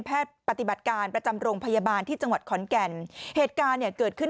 ปฏิบัติการประจำโรงพยาบาลที่จังหวัดขอนแก่นเหตุการณ์เนี่ยเกิดขึ้น